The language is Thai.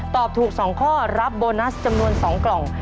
ตอบถูก๒ข้อรับโบนัสจำนวน๒กล่อง